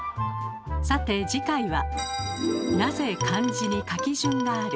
さて次回は「なぜ漢字に書き順がある？」